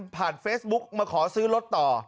ผ่านเฟซบุ๊คมาขอซื้อรถต่อ